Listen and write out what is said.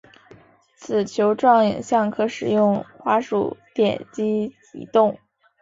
此球状影像可使用滑鼠点击移动。